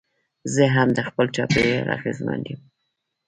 زه هم د خپل چاپېریال اغېزمن یم.